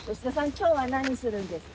今日は何するんですか？